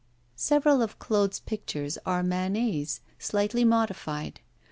Several of Claude's pictures are Manet's, slightly modified.